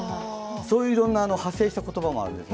そういういろんな派生した言葉もあるんです。